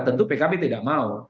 tentu pkb tidak mau